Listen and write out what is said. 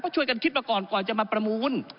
ช่วยกันคิดมาก่อนกว่าจะมาประมูล